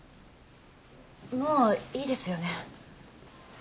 もういいですよね？